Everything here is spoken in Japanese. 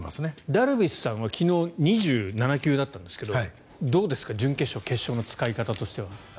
ダルビッシュさんは昨日、２７球だったんですがどうですか準決勝、決勝の使い方としては。